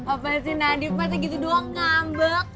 apa sih nadif betta gitu doang ngambek